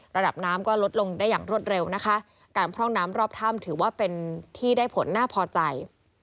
ระดับน้ำก็ลดลงได้อย่างรวดเร็วนะคะการพร่องน้ำรอบถ้ำถือว่าเป็นที่ได้ผลน่าพอใจ